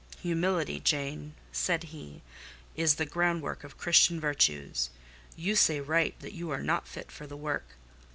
"Humility, Jane," said he, "is the groundwork of Christian virtues: you say right that you are not fit for the work.